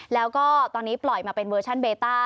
แล้วก็ตอนนี้ปล่อยมาเป็นเวอร์ชันเบต้า